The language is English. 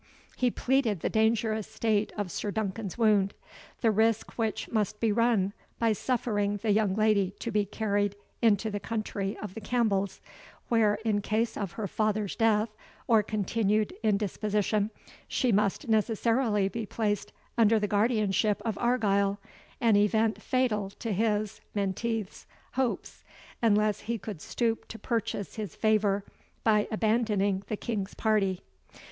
He pleaded the dangerous state of Sir Duncan's wound, the risk which must be run by suffering the young lady to be carried into the country of the Campbells, where, in case of her father's death, or continued indisposition, she must necessarily be placed under the guardianship of Argyle, an event fatal to his (Menteith's) hopes, unless he could stoop to purchase his favour by abandoning the King's party.